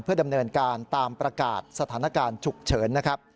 เพื่อดำเนินการตามประกาศสถานการณ์ฉุกเฉิน